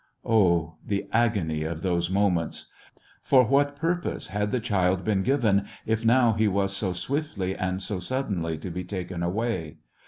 Oh, the agony of those moments! For what purpose had the child been given if now he was so swiftly and so suddenly to be taken away?